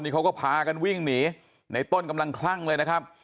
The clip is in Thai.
เขาก็พากันวิ่งหนีในต้นกำลังคลั่งเลยนะครับ